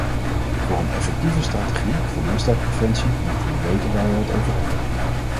Voor een effectieve strategie voor misdaadpreventie moeten we weten waar we het over hebben.